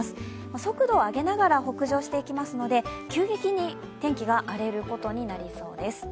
速度を上げながら北上していきますので急激に天気が荒れることになります。